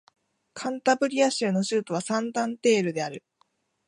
カンタブリア州の州都はサンタンデールである